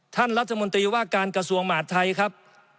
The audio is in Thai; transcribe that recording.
ท่านรัฐมนตรีว่าการกระทรวงมหาดไทยครับ